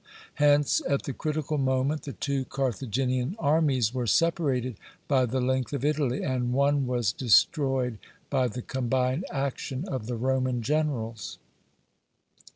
Hence at the critical moment the two Carthaginian armies were separated by the length of Italy, and one was destroyed by the combined action of the Roman generals.